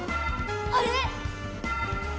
あれ！